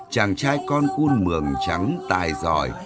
chàng trai con cun mường trắng tài giỏi